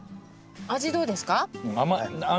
味どうですか？